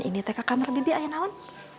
ini teka kamar bibi ayah naon